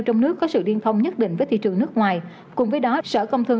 trong nước có sự liên thông nhất định với thị trường nước ngoài cùng với đó sở công thương